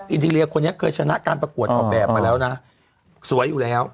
อินทิเลียคนนี้เคยชนะการประกวดออกแบบมาแล้วนะสวยอยู่แล้ว